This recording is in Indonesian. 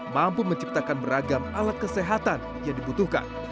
mampu menciptakan beragam alat kesehatan yang dibutuhkan